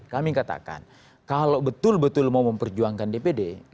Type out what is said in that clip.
kami katakan kalau betul betul mau memperjuangkan dpd